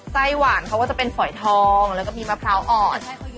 ไส้หวานเขาก็จะเป็นฝอยทองแล้วก็มีมะพร้าวอ่อน